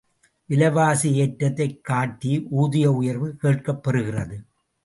விலைவாசி ஏற்றத்தைக் காட்டி ஊதிய உயர்வு கேட்கப் பெறுகிறது.